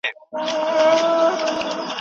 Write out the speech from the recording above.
له خولې دي د رقیب د حلوا بوئ راځي ناصحه